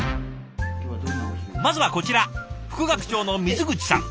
まずはこちら副学長の水口さん。